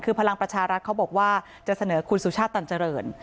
คือพลังประชารัฐเขาบอกว่าจะเสนอคุณสุชาติตันเจริญ